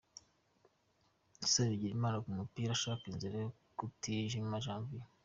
Issa Bigirimana ku mupira ashaka inzira kwa Mutijima Janvier.